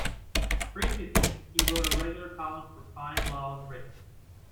Previously, he wrote a regular column for FindLaw's Writ.